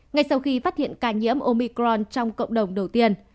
ngay sau khi phát hiện ca nhiễm omicron trong cộng đồng đầu tiên